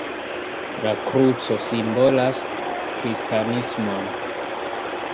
La kruco simbolas kristanismon.